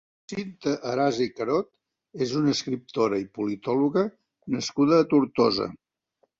Cinta Arasa i Carot és una escriptora i politòloga nascuda a Tortosa.